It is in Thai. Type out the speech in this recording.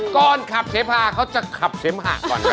ก่อนขับเสพาเขาจะขับเสมหะก่อน